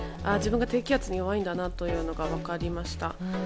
自分が低気圧に弱いんだなというのが分かりました。